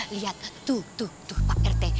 lihat tuh tuh pak rt